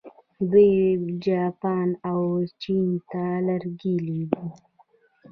دوی جاپان او چین ته لرګي لیږي.